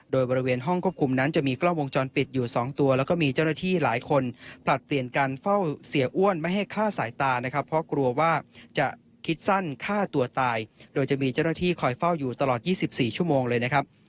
โดยบริเวณห้องควบคุมนั้นจะมีกล้องวงจรปิดอยู่๒ตัวแล้วก็มีเจ้าหน้าที่หลายคนผลัดเปลี่ยนการเฝ้าเสียอ้วนไม่ให้ฆ่าสายตานะครับเพราะกลัวว่าจะคิดสั้นฆ่าตัวตายโดยจะมีเจ้าหน้าที่คอยเฝ้าอยู่ตลอด๒๔ชั่วโมงเลยนะครับ